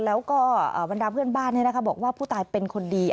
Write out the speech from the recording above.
แล้วก็บรรดาเพื่อนบ้านบอกว่าผู้ตายเป็นคนดี